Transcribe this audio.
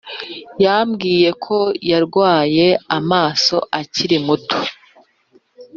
Yambwiye ko yarwaye amaso akiri muto